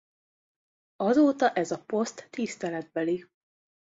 Azóta ez a poszt tiszteletbeli.